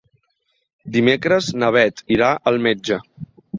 Dimecres na Beth irà al metge.